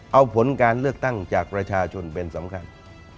เอาผลการเลือกตั้งจากประชาชนเป็นสำคัญ